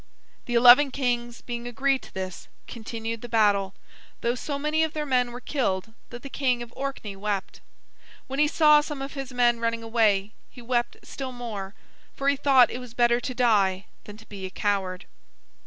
The eleven kings, being agreed to this, continued the battle, though so many of their men were killed that the King of Orkney wept. When he saw some of his men running away, he wept still more, for he thought it was better to die than to be a coward.